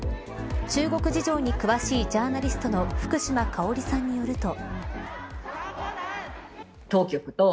中国事情に詳しいジャーナリストの福島香織さんによると。